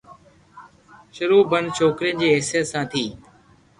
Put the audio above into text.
شرو ٻن ڇوڪرن جي حيثيت سان ٿي،